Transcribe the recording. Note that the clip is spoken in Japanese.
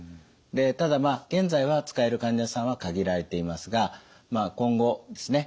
ただ現在は使える患者さんは限られていますが今後ですね